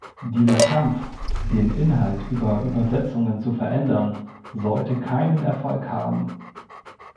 Dieser Kampf, den Inhalt über Übersetzungen zu verändern, sollte keinen Erfolg haben.